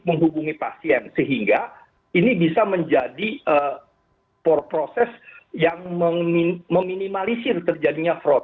menghubungi pasien sehingga ini bisa menjadi proses yang meminimalisir terjadinya fraud